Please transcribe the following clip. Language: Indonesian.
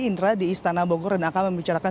indra di istana bogor dan akan membicarakan